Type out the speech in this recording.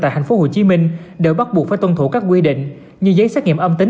tại thành phố hồ chí minh đều bắt buộc phải tuân thủ các quy định như giấy xét nghiệm âm tính